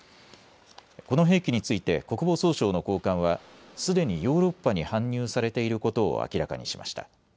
この兵器について国防総省の高官はすでにヨーロッパに搬入されていることを明らかにしました。